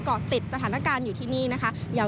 เกาะติดสถานการณ์อยู่ที่นี่นะคะ